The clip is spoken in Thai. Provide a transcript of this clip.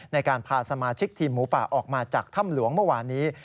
ในการพาสมาชิกทีมหมูป่าออกมาจากถ้ำหลวงเมื่อวานนี้